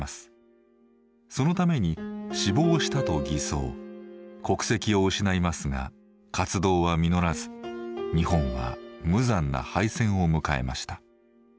そのために死亡したと偽装国籍を失いますが活動は実らず日本は無残な敗戦を迎えました。